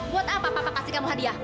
buat apa papa kasih kamu hadiah